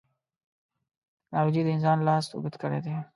ټکنالوجي د انسان لاس اوږد کړی دی.